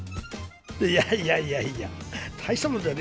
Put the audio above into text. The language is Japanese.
いやいやいや、大したものだ、な。